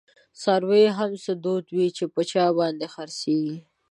دڅارویو هم څه دود وی، چی په چا باندی خرڅیږی